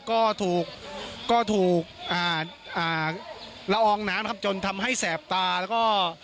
ก็ถูกก็ถูกอ่าละอองน้ำนะครับจนทำให้แสบตาแล้วก็